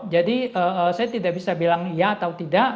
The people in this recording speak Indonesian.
jadi saya tidak bisa bilang ya atau tidak